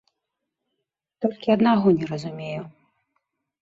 Толькі аднаго не разумею.